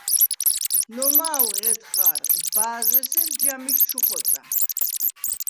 ნომა̄უ̂ ღედ ხა̄რ, ბა̄ზ’ე̄სერ ჯა მიჩ ჩუ ხოწა.